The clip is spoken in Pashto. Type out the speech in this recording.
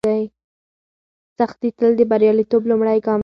سختي تل د بریالیتوب لومړی ګام وي.